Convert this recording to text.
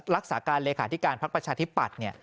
รักษาการเลขาธิการพักประชาธิปัตย์